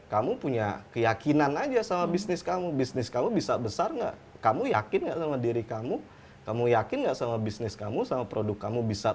kamu punya keyakinan aja sama bisnis kamu bisnis kamu bisa besar nggak kamu yakin nggak sama diri kamu kamu yakin nggak sama bisnis kamu sama produk kamu bisa